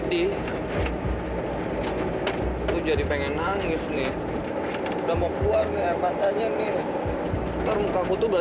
biar rasa dahot ya budak budak